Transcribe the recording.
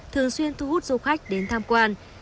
thường xuyên thu hút du khách đến tham quan